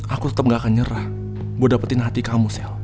aku tetap gak akan nyerah mau dapetin hati kamu sel